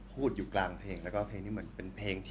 พูดอยู่กลางเพลง